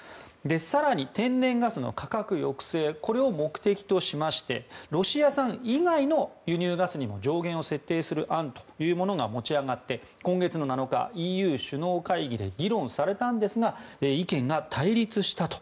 更に天然ガスの価格抑制を目的としましてロシア産以外の輸入ガスにも上限を設定する案というものが持ち上がって今月７日、ＥＵ首脳会議で議論されたんですが意見が対立したと。